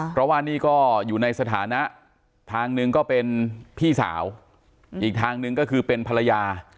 เพราะว่านี่ก็อยู่ในสถานะทางหนึ่งก็เป็นพี่สาวอีกทางหนึ่งก็คือเป็นภรรยา